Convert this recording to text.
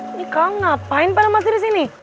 ini kak ngapain pada masih disini